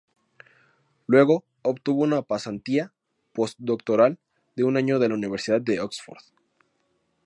Luego, obtuvo una pasantía post-doctoral de un año en la Universidad de Oxford.